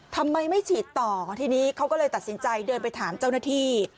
ทำไมไม่ฉีดต่อทีนี้เขาก็เลยตัดสินใจเดินไปถามเจ้าหน้าที่